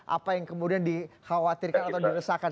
apa yang kemudian dikhawatirkan atau diresahkan